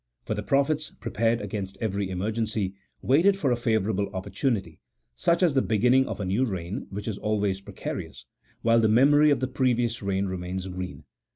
For the prophets, prepared against every emergency, waited for a favourable opportu nity, such as the "beginning of a new reign, which is always precarious, while the memory of the previous reign remains green.